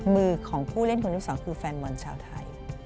มือของผู้เล่นคนที่สองคือแฟนบอลชาวไทย